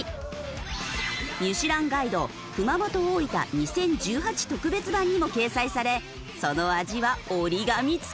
『ミシュランガイド熊本・大分２０１８特別版』にも掲載されその味は折り紙付き。